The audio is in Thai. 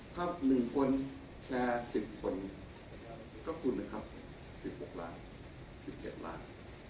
๑คนแชร์๑๐คนก็คุณนะครับ๑๖ล้าน๑๗ล้าน